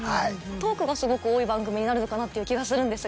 トークがすごく多い番組になるのかなっていう気がするんですが。